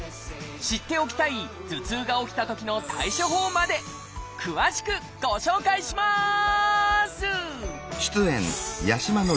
知っておきたい頭痛が起きたときの対処法まで詳しくご紹介します！